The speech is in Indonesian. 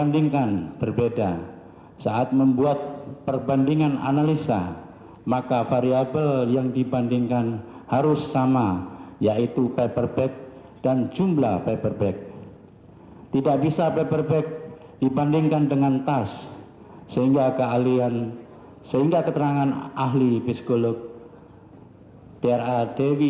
di dalam cairan lambung korban yang disebabkan oleh bahan yang korosif